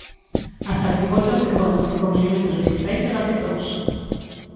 As arquivoltas decóranse con elementos vexetais e baquetóns.